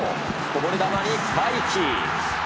こぼれ球にカイキ。